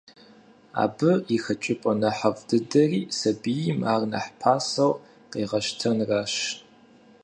Абы и хэкӏыпӏэ нэхъыфӏ дыдэри сабийм ар нэхъ пасэу къегъэщтэнращ.